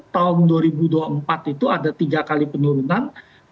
tahun dua ribu dua puluh empat itu ada tiga kali penurunan